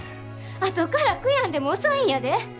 あとから悔やんでも遅いんやで。